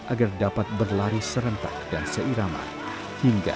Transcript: agar dapat berlari serentak dan seirama hingga ujung pacuan